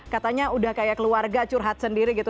katanya udah kayak keluarga curhat sendiri gitu